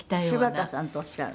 「柴田さんっておっしゃる？」